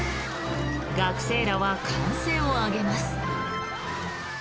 学生らは歓声を上げます。